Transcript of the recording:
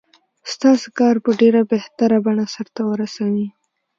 ستاسې کار په ډېره بهتره بڼه سرته ورسوي.